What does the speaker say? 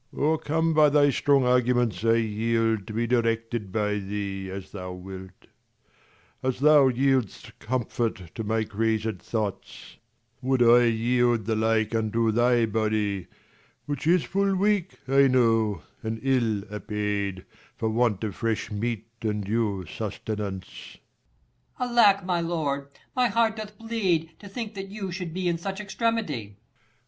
Leir. O'ercome with thy strong arguments, I yield 90 To be directed by thee, as thou wilt : As thou yield'st comfort to my crazed thoughts, Would I could yield the like unto thy body, Which is full weak, I know, and ill apaid, For want of fresh meat and due sustenance. 95 Per. Alack, my lord, my heart doth bleed, to think 84 KING LEIR AND [Acr V That you should be in such extremity.